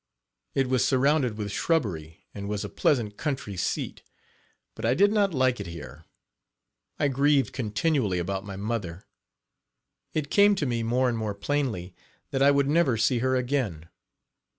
It was surrounded with shrubbery, and was a pleasant country seat. But I did not like it here. I grieved continually about my mother. It came to me, more and more plainly, that I would never see her again.